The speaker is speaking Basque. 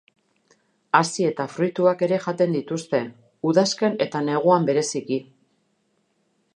Hazi eta fruituak ere jaten dituzte, udazken eta neguan bereziki.